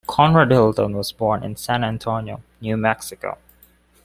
Conrad Hilton was born in San Antonio, New Mexico.